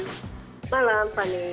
selamat malam pani